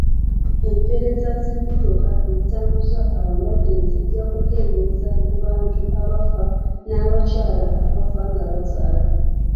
Empereza z'emmotoka ezitambuza abalwadde zijja kukendeeza ku bantu abafa n'abakyala abafa nga bazaala.